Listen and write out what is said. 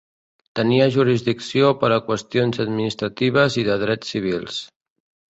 Tenia jurisdicció per a qüestions administratives i de drets civils.